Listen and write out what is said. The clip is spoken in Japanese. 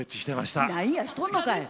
なんやしとんのかい！